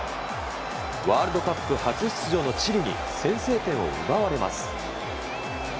ワールドカップ初出場のチリに先制点を奪われます。